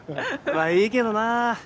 まあいいけどな。